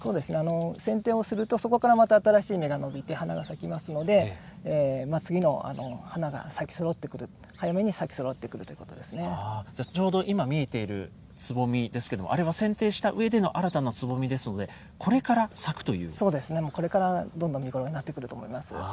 そうですね、せんていをすると、そこからまた新しい芽が伸びて、花が咲きますので、次の花が咲きそろってくる、早めに咲きそろってくるということでじゃあ、ちょうど今、見えているつぼみですけれども、あれはせんていしたうえでの新たなつぼみですので、これから咲くという？